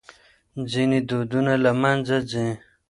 ځينې دودونه له منځه ځي.